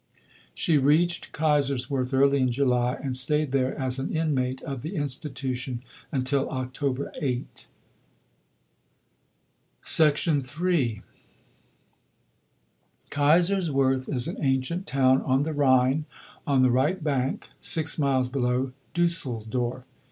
She reached Kaiserswerth early in July and stayed there as an inmate of the Institution until October 8. III Kaiserswerth is an ancient town on the Rhine, on the right bank, six miles below Düsseldorf.